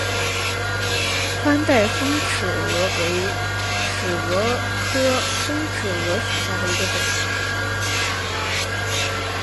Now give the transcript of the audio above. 宽带峰尺蛾为尺蛾科峰尺蛾属下的一个种。